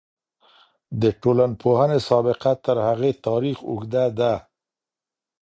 د ټولنپوهنې سابقه تر هغې تاريخ اوږده ده.